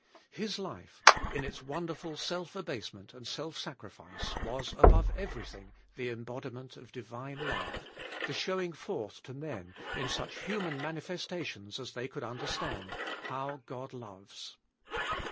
His life, in its wonder ful self abasement and self sacrifice, was, above every thing, the embodiment of Divine love, the showing forth to men, in such human manifestations as they could understand, how God loves.